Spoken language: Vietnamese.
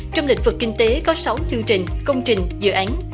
trong lịch vực kinh tế có sáu chương trình công trình dự án